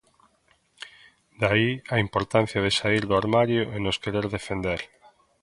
De aí a importancia de saír do armario e nos querer defender.